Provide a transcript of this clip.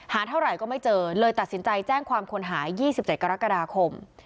เท่าไหร่ก็ไม่เจอเลยตัดสินใจแจ้งความคนหาย๒๗กรกฎาคม